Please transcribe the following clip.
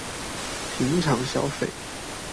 平常消費